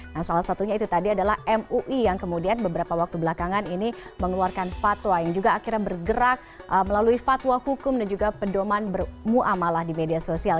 nah salah satunya itu tadi adalah mui yang kemudian beberapa waktu belakangan ini mengeluarkan fatwa yang juga akhirnya bergerak melalui fatwa hukum dan juga pedoman bermuamalah ⁇ di media sosial